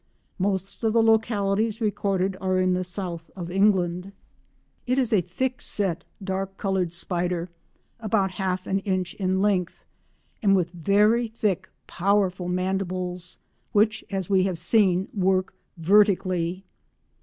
Most of the localities recorded are in the south of England. It is a thick set dark coloured spider about half an inch in length, and with very thick, powerful mandibles, which, as we have seen, work vertically.